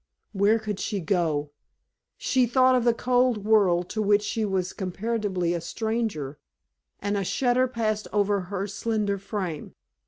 Where could she go? She thought of the cold world to which she was comparatively a stranger, and a shudder passed over her slender frame.